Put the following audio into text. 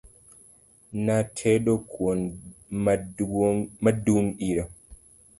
Natedo kuon ma dung' iro